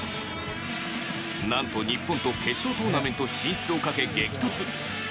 なんと日本と決勝トーナメント進出を懸け激突。